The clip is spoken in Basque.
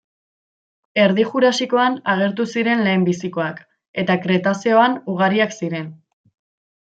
Erdi Jurasikoan agertu ziren lehenbizikoak, eta Kretazeoan ugariak ziren.